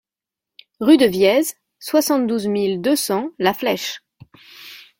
Rue de Viez, soixante-douze mille deux cents La Flèche